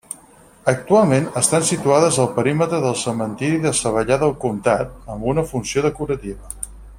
Actualment estan situades al perímetre del cementiri de Savallà del Comtat, amb una funció decorativa.